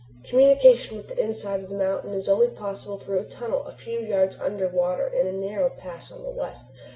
"Communication with the inside of the mountain is only possible through a tunnel a few yards under water in a narrow pass on the west.